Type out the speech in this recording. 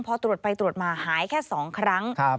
พอตรวจไปตรวจมาหายแค่๒ครั้ง